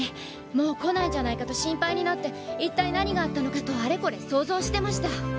もう来ないんじゃないかと心配になって一体何があったのかとあれこれ想像してました。